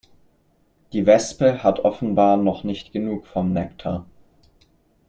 Die Wespe hat offenbar noch nicht genug vom Nektar.